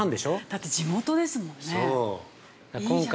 ◆だって地元ですもんね。